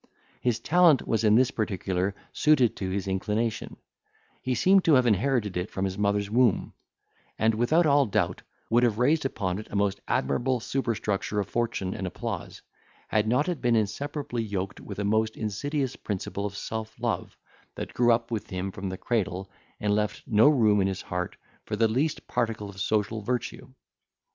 His talent was in this particular suited to his inclination; he seemed to have inherited it from his mother's womb; and, without all doubt, would have raised upon it a most admirable superstructure of fortune and applause, had not it been inseparably yoked with a most insidious principle of self love, that grew up with him from the cradle, and left no room in his heart for the least particle of social virtue.